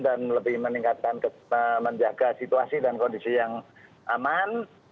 dan lebih meningkatkan menjaga situasi dan kondisi yang aman